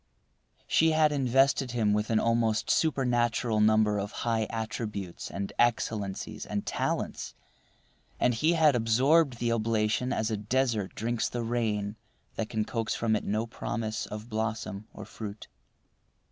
She had invested him with an almost supernatural number of high attributes and excellencies and talents, and he had absorbed the oblation as a desert drinks the rain that can coax from it no promise of blossom or fruit.